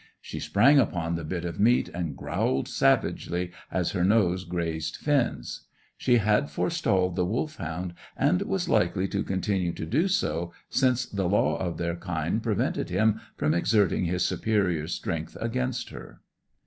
She sprang upon the bit of meat, and growled savagely as her nose grazed Finn's. She had forestalled the Wolfhound, and was likely to continue to do so, since the law of their kind prevented him from exerting his superior strength against her.